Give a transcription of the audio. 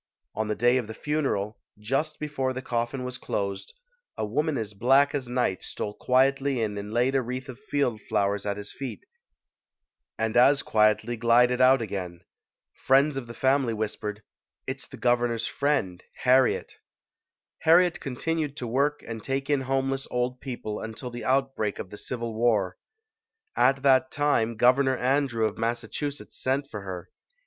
On the day of the funeral, just before the coffin was closed, a woman as black as night stole quietly in and laid a wreath of field flowers at his feet and as quietly glided out again. Friends of the family whispered, "It's the Governor's friend, Harriet". Harriet continued to work and take in homeless old people until the outbreak of the Civil War. At that time, Governor Andrew of Massachu setts sent for her.